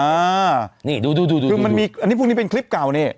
อ่านี่ดูดูคือมันมีอันนี้พวกนี้เป็นคลิปเก่านี่